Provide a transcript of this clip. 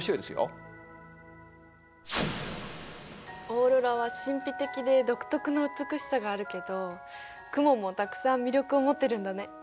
オーロラは神秘的で独特な美しさがあるけど雲もたくさん魅力を持ってるんだね。